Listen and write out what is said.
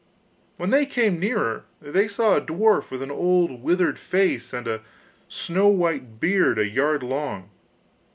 When they came nearer they saw a dwarf with an old withered face and a snow white beard a yard long.